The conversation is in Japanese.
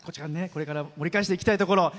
これから盛り返していきたいところ。